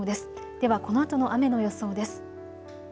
ではこのあとの雨の予想です。